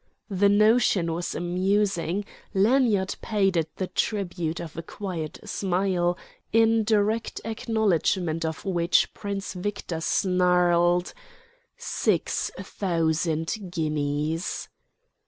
The notion was amusing: Lanyard paid it the tribute of a quiet smile, in direct acknowledgment of which Prince Victor snarled: "Six thousand guineas!"